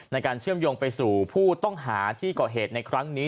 ในการเชื่อมโยงไปสู่ผู้ต้องหาที่ก่อเหตุในครั้งนี้